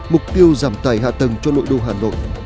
mục tiêu giảm tài hạ tầng cho nội đô hà nội